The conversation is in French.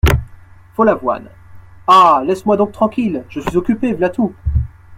Follavoine Ah ! laisse-moi donc tranquille ! je suis occupé, v’là tout !